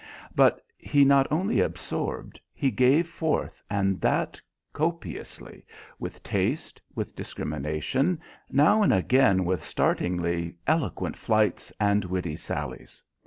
But he not only absorbed. He gave forth and that copiously, with taste, with discrimination, now and again with startlingly eloquent flights and witty sallies.